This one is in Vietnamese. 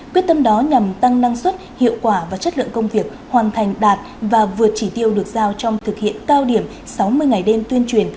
quyết tâm đó nhằm tăng năng suất hiệu quả và chất lượng công việc hoàn thành đạt và vượt chỉ tiêu được giao trong thực hiện cao điểm sáu mươi ngày đêm tuyên truyền